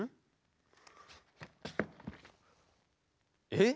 えっ？